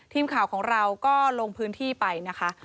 ทีมข่าวของเราก็ลงพื้นที่ไปนะคะ